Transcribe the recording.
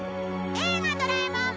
『映画ドラえもん』